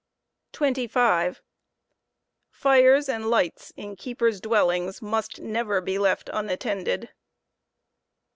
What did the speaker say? r "' 7 25. Urea and lights in keepers' dwellings must never be left unattended.